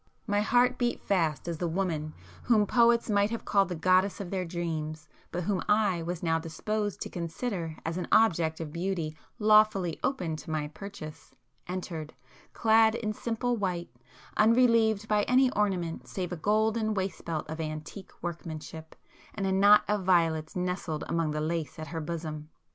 My heart beat fast as the woman whom poets might have called the goddess of their dreams, but whom I was now disposed to consider as an object of beauty lawfully open to my purchase, entered, clad in simple white, unrelieved by any ornaments save a golden waistbelt of antique workmanship, and a knot of violets nestled among the lace at her bosom.